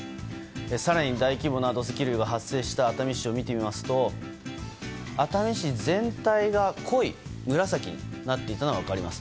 更に大規模な土石流が発生した熱海市を見てみますと熱海市全体が濃い紫になっているのが分かります。